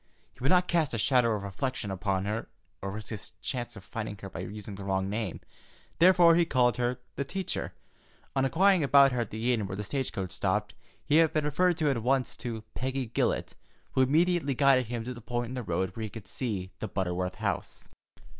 He would not cast a shadow of reflection upon her, or risk his chance of finding her by using the wrong name, therefore he called her "the teacher." On inquiring about her at the inn where the stage coach stopped, he had been referred at once to Peggy Gillette, who immediately guided him to the point in the road where he could see the Butterworth house.